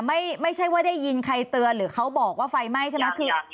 ไม่ใช่ว่าได้ยินใครเตือนหรือเขาบอกว่าไฟไหม้ใช่ไหมคือ